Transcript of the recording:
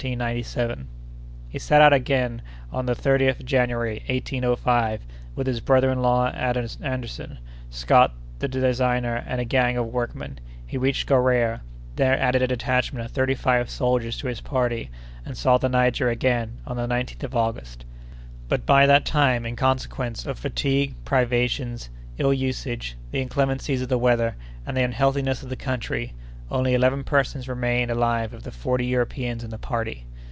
He again set out, on the 30th of January, 1805, with his brother in law Anderson, Scott, the designer, and a gang of workmen; he reached Gorea, there added a detachment of thirty five soldiers to his party, and saw the Niger again on the 19th of August. But, by that time, in consequence of fatigue, privations, ill usage, the inclemencies of the weather, and the unhealthiness of the country, only eleven persons remained alive of the forty Europeans in the party.